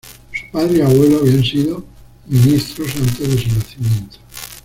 Su padre y abuelo habían sido ministros antes de su nacimiento.